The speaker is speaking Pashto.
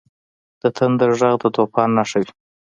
• د تندر ږغ د طوفان نښه وي.